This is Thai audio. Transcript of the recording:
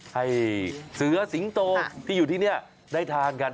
ให้เสือสิงโตที่อยู่ที่นี่ได้ทานกัน